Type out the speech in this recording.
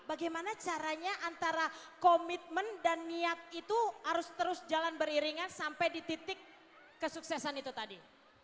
bagaimana caranya antara komitmen dan niat itu harus terus jalan beriringan sampai di titik kesuksesan itu tadi